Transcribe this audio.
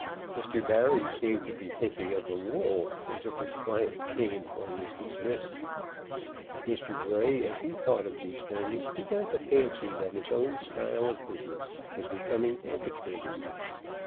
Mr. Barry seemed to be thinking of the wool as every client came or was dismissed. Mr. Grey, as he thought of these things, began to fancy that his own style of business was becoming antiquated.